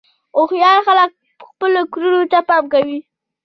هوښیار خلک خپلو کړنو ته پام کوي.